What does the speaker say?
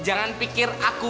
jangan pikir aku